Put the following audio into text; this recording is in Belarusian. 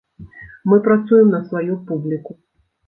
Мы працуем на сваю публіку.